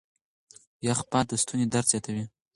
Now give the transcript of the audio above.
يخ باد د ستوني درد زياتوي.